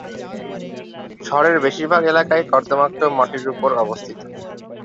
শহরের বেশির ভাগ এলাকাই কর্দমাক্ত মাটির ওপর অবস্থিত।